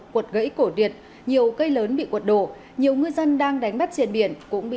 cuột gãy cổ điệt nhiều cây lớn bị cuột đổ nhiều ngư dân đang đánh bắt trên biển